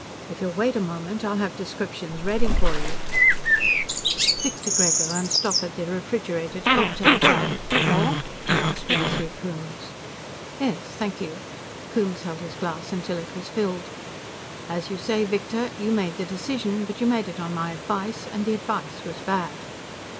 If you'll wait a moment, I'll have descriptions ready for you...." Victor Grego unstoppered the refrigerated cocktail jug. "More?" he asked Leslie Coombes. "Yes, thank you." Coombes held his glass until it was filled. "As you say, Victor, you made the decision, but you made it on my advice, and the advice was bad."